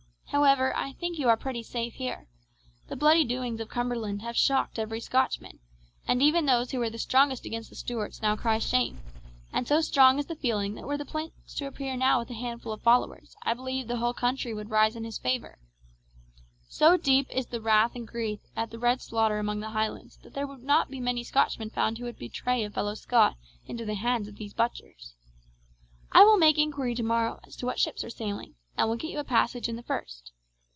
However, I think you are pretty safe here. The bloody doings of Cumberland have shocked every Scotchman, and even those who were strongest against the Stuarts now cry shame, and so strong is the feeling that were the prince to appear now with a handful of followers I believe the whole country would rise in his favour. So deep is the wrath and grief at the red slaughter among the Highlands there would not be many Scotchmen found who would betray a fellow Scot into the hands of these butchers. I will make inquiry tomorrow as to what ships are sailing, and will get you a passage in the first.